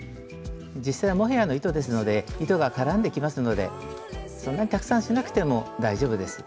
実際はモヘアの糸ですので糸が絡んできますのでそんなにたくさんしなくても大丈夫です。